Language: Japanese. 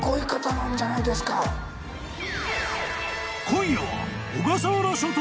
［今夜は］